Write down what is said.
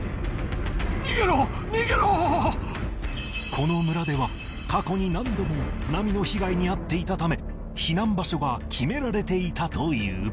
この村では過去に何度も津波の被害に遭っていたため避難場所が決められていたという